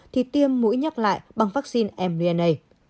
thì tiêm mũi nhắc lại bằng vắc xin mdna